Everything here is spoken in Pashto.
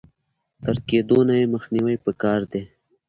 تر کېدونه يې مخنيوی په کار دی.